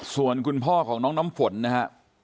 ส่วนคุณพ่อของน้องน้ำฝนนะครับ